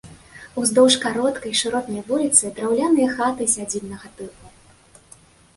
Уздоўж кароткай шыротнай вуліцы драўляныя хаты сядзібнага тыпу.